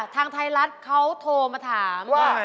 ทางไทยรัฐเขาโทรมาถามว่า